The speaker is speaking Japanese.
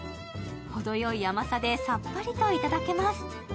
程良い甘さでさっぱりといただけます。